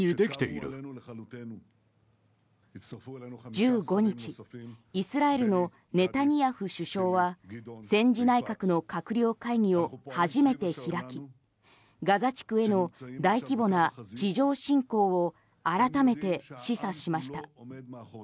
１５日イスラエルのネタニヤフ首相は戦時内閣の閣僚会議を初めて開きガザ地区への大規模な地上侵攻を改めて示唆しました。